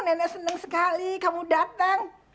nenek senang sekali kamu datang